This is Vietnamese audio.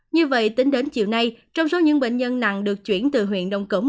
như vậy tính đến chiều nay trong số những bệnh nhân nặng được chuyển từ huyện đông cống